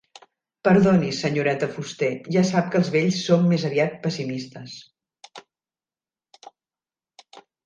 Perdoni, senyoreta Fuster, ja sap que els vells som més aviat pessimistes.